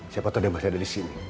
siapa tau dia masih ada disini